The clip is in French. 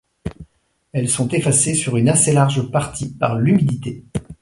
Elles sont effacées sur une assez large partie par l'humidité.